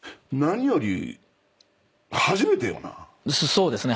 そうですね。